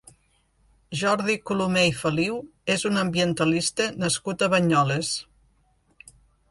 Jordi Colomer i Feliu és un ambientalista nascut a Banyoles.